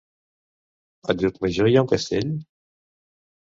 A Llucmajor hi ha un castell?